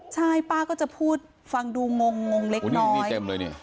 ใช่ป้าก็จะพูดฟังดูงงงงเล็กน้อย